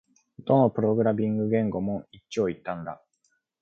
どのプログラミング言語も一長一短だ